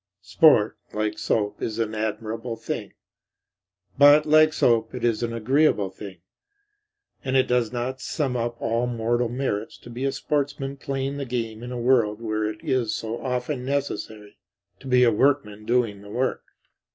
Sport, like soap, is an admirable thing, but, like soap, it is an agreeable thing. And it does not sum up all mortal merits to be a sportsman playing the game in a world where it is so often necessary to be a workman doing the work.